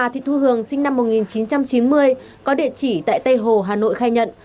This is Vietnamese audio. trường sinh năm một nghìn chín trăm chín mươi có địa chỉ tại tây hồ hà nội khai nhận